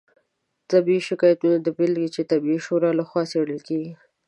طبي شکایتونو بیلګې چې د طبي شورا لخوا څیړل کیږي